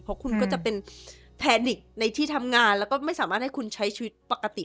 เพราะคุณก็จะเป็นแพนิกในที่ทำงานแล้วก็ไม่สามารถให้คุณใช้ชีวิตปกติ